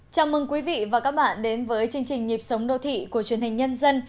chào mừng quý vị và các bạn đến với chương trình nhịp sống đô thị của truyền hình nhân dân